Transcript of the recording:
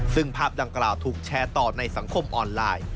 ซึ่งภาพดังกล่าวถูกแชร์ต่อในสังคมออนไลน์